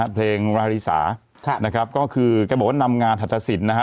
เพลงราริสานะครับก็คือแกบอกว่านำงานหัตถสินนะฮะ